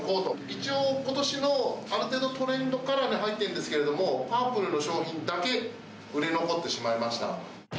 一応、ことしのある程度、トレンドカラーに入ってるんですけれども、パープルの商品だけ売れ残ってしまいました。